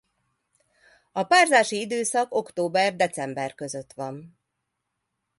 A párzási időszak október- december között van.